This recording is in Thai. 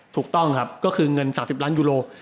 ถูกต้องครับก็คือเงิน๓๐ล้านยูโร